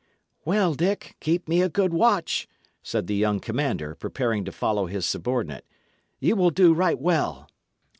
"Well, Jack, keep me a good watch," said the young commander, preparing to follow his subordinate. "Ye will do right well."